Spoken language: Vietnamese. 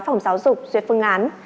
phòng giáo dục duyệt phương án